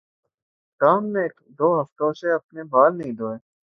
Tom نے دو ہفتوں سے اپنے بال نہیں دھوئے